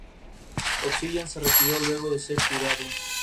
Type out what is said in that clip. Obsidian se retiró luego de ser curado.